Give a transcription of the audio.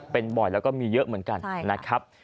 เป็นบ่อยแล้วก็มีเยอะเหมือนกันนะครับ